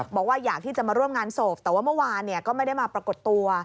บอกว่าอยากที่จะมาร่วมงานศพแต่ว่าเมื่อวานก็ไม่ได้มาปรากฏตัว